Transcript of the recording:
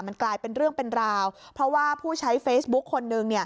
มันกลายเป็นเรื่องเป็นราวเพราะว่าผู้ใช้เฟซบุ๊คคนนึง